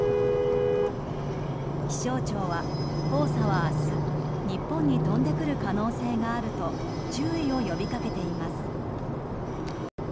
気象庁は黄砂は明日日本に飛んでくる可能性があると注意を呼び掛けています。